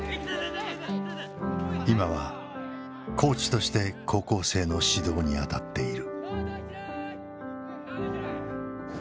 今はコーチとして高校生の指導にあたっている。